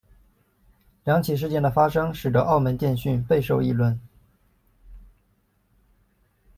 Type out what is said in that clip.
两起事件的发生使得澳门电讯备受议论。